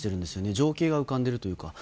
情景が浮かんでいるというか。